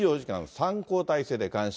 ３交代制で監視。